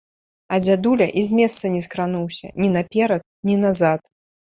А дзядуля і з месца не скрануўся, ні наперад, ні назад.